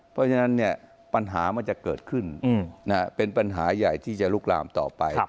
เพราะฉะนั้นปัญหามันจะเกิดขึ้นเป็นปัญหาใหญ่ที่จะลุกลามต่อไป